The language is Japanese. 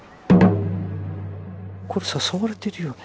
これ誘われてるよね。